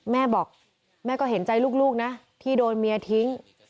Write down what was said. แม่บอกแม่ก็เห็นใจลูกนะที่โดนเมียทิ้ง